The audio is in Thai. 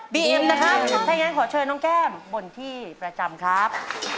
ก็ยังไงขอเชิญน้องแก้มบนที่ประจำครับ